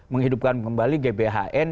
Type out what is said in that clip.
menghidupkan kembali gbhn